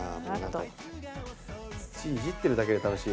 土いじってるだけで楽しいよね。